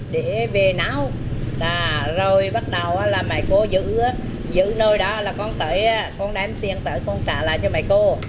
để về nâu rồi bắt đầu là mẹ cô giữ nâu đó là con đem tiền tới con trả lại cho mẹ cô